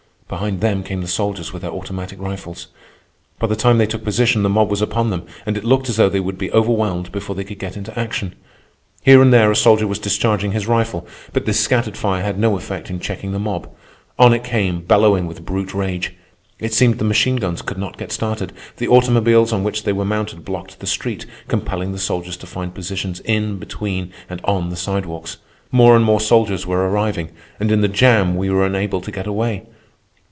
Behind them came the soldiers with their automatic rifles. By the time they took position, the mob was upon them, and it looked as though they would be overwhelmed before they could get into action. Here and there a soldier was discharging his rifle, but this scattered fire had no effect in checking the mob. On it came, bellowing with brute rage. It seemed the machine guns could not get started. The automobiles on which they were mounted blocked the street, compelling the soldiers to find positions in, between, and on the sidewalks. More and more soldiers were arriving, and in the jam we were unable to get away.